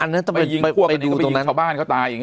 ไปยิงพวกเขาตาย